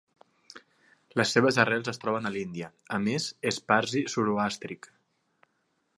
Les seves arrels es troben a l'Índia; a més, és Parsi zoroàstric.